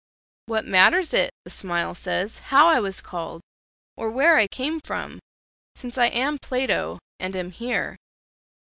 "What matters it," the smile says, "how I was called, or where I came from, since I am Plato, and am here?"